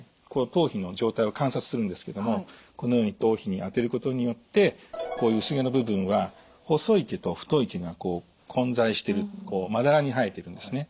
頭皮の状態を観察するんですけどもこのように頭皮に当てることによってこういう薄毛の部分は細い毛と太い毛が混在しているまだらに生えているんですね。